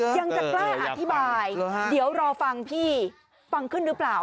ยังจะกล้าอธิบายเดี๋ยวรอฟังพี่ฟังขึ้นหรือเปล่า